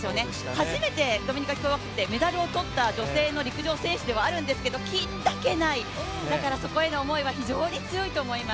初めてドミニカ共和国でメダルを取った女性の陸上選手なんですけど金だけない、だからそこへの思いは非常に強いと思います。